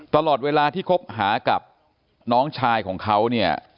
ตลอดเวลาที่คบหากับน้องชายของเขาเนี่ย